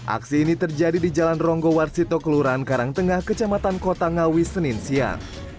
aksi ini terjadi di jalan ronggo warsito kelurahan karangtengah kecamatan kota ngawi senin siang